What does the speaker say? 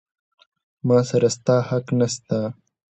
ما سره ستا حق نسته.